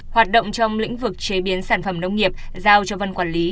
hoạt động trong lĩnh vực chế biến sản phẩm nông nghiệp giao cho văn quản lý